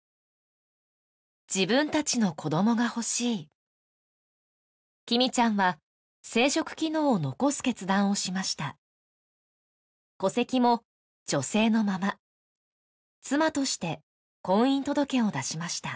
自分たちの子どもが欲しいきみちゃんは生殖機能を残す決断をしました戸籍も女性のまま妻として婚姻届を出しました